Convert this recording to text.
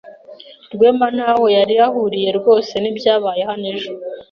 Rwema ntaho yari ahuriye rwose nibyabaye hano ejo.